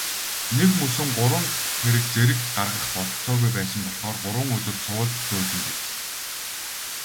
Нэгмөсөн гурван тэрэг зэрэг гаргах бололцоогүй байсан болохоор гурван өдөр цувуулж зөөсөн биз.